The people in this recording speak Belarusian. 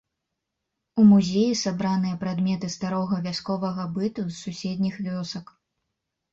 У музеі сабраныя прадметы старога вясковага быту з суседніх вёсак.